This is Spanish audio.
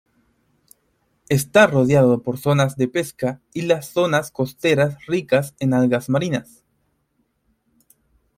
Está rodeado por zonas de pesca y las zonas costeras ricas en algas marinas.